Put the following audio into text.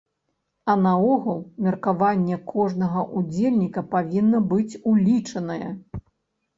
А наогул, меркаванне кожнага ўдзельніка павінна быць улічанае.